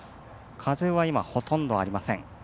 風は今ほとんどありません。